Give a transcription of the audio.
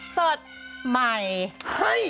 สดใหม่